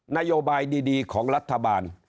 นโยบายดีของรัฐบาล